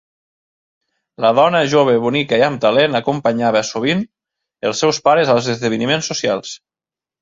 La dona jove bonica i amb talent acompanyava sovint els seus pares als esdeveniments socials.